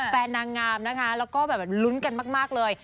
นางงามนะคะแล้วก็แบบลุ้นกันมากเลย